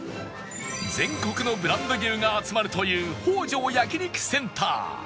全国のブランド牛が集まるというホウジョウヤキニクセンター